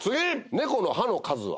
猫の歯の数は？